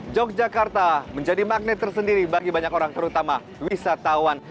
yogyakarta menjadi magnet tersendiri bagi banyak orang terutama wisatawan